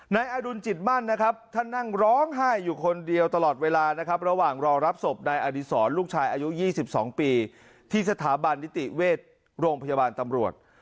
นายอดุลจิตมั่นนะครับท่านนั่งร้องไห้อยู่คนเดียวตลอดเวลานะครับระหว่างรอรับศพนายอดีศรลูกชายอายุ๒๒ปีที่สถาบันนิติเวชโรงพยาบาลตำรวจ